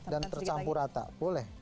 dan tercampur rata boleh